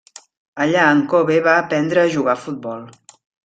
Allà en Kobe va aprendre a jugar a futbol.